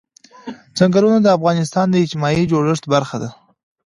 چنګلونه د افغانستان د اجتماعي جوړښت برخه ده.